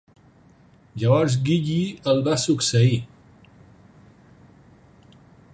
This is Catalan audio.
Llavors Gye el va succeir".